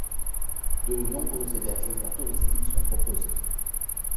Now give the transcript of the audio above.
De nombreux hébergements touristiques sont proposés.